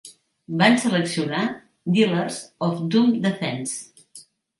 Van seleccionar "Dealers of Doom Defense".